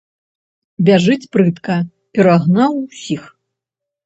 Бяжыць прытка, перагнаў усіх.